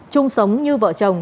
chung sống như vợ chồng